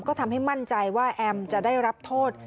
ก็ทำให้มั่นใจว่าแอมจะได้รับโทษ